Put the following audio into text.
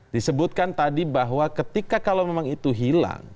disebutkan tadi bahwa ketika kalau memang itu hilang